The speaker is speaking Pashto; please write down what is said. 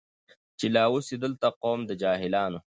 چي لا اوسي دلته قوم د جاهلانو